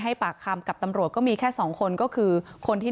อืมว่านี่คือรถของนางสาวกรรณิการก่อนจะได้ชัดเจนไป